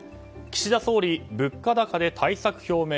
岸田総理、物価高で対策表明。